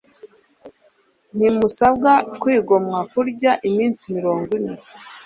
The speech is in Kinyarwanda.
Ntimusabwa kwigomwa kurya iminsi mirongo ine